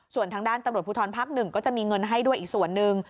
ส่วนทางด้านตำรวจภูทรภักดิ์๑ก็จะมีเงินให้ด้วยอีกส่วนหนึ่ง